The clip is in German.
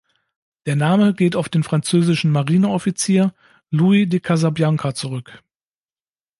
Der Name geht auf den französischen Marineoffizier Louis de Casabianca zurück.